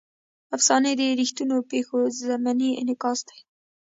افسانې د ریښتونو پېښو ضمني انعکاس دی.